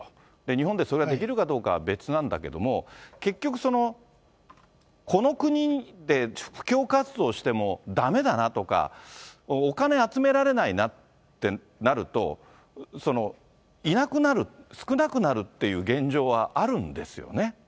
日本でそれができるかどうか別なんだけども、結局そのこの国で布教活動をしてもだめだなとか、お金集められないなってなると、いなくなる、少なくなるっていう現状はあるんですよね。